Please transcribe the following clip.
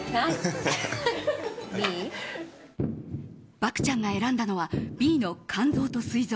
漠ちゃんが選んだのはＢの肝臓とすい臓。